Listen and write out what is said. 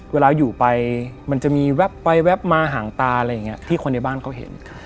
เวลาอยู่ไปมันจะมีแว๊บไปแวบมาห่างตาอะไรอย่างนี้ที่คนในบ้านเขาเห็น